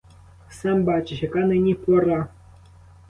Сам бачиш, яка нині пора!